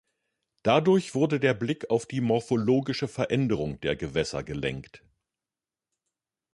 Dadurch wurde der Blick auf die morphologische Veränderung der Gewässer gelenkt.